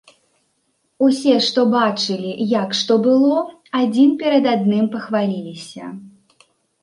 Усе, што бачылі, як што было, адзін перад адным пахваліліся.